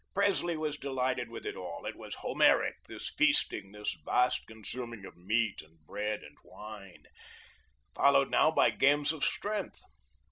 Presley was delighted with it all. It was Homeric, this feasting, this vast consuming of meat and bread and wine, followed now by games of strength.